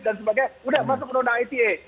dan sebagainya udah masuk noda ata